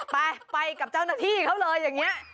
นั่นแหละไปกับเจ้าหน้าที่เขาเลยอย่างนี้